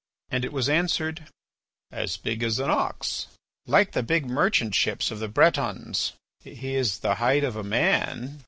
And it was answered: "As big as an ox." "Like the big merchant ships of the Bretons." "He is the height of a man."